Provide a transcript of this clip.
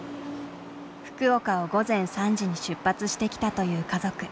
福岡を午前３時に出発してきたという家族。